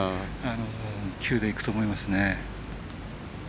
９でいくと思います。